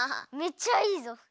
めっちゃいいぞ。